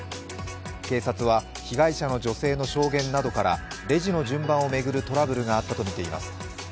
警察は被害者の女性の証言などからレジの順番を巡るトラブルがあったとみています。